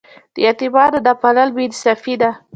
د یتیمانو نه پالل بې انصافي ده.